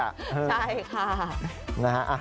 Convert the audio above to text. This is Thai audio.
ใช่ค่ะ